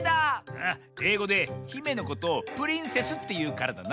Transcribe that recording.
あっえいごで「ひめ」のことを「プリンセス」っていうからだな。